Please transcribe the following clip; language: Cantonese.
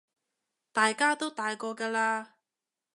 大家都大個㗎喇